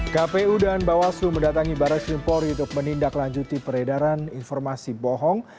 kpu dan bawaslu mendatangi barat srimpori untuk menindaklanjuti peredaran informasi bohong